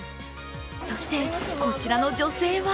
そして、こちらの女性は